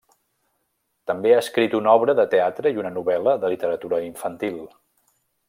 També ha escrit una obra de teatre i una novel·la de literatura infantil.